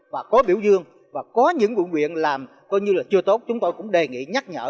và có biểu dương và có những quận quyện làm coi như là chưa tốt chúng tôi cũng đề nghị nhắc nhở